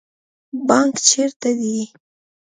بانک چیرته دی؟